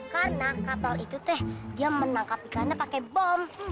karena kapal itu teh dia menangkap ikannya pakai bom